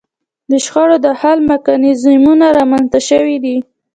د شخړو د حل میکانیزمونه رامنځته شوي دي